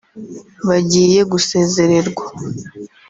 bagiye gusezererwa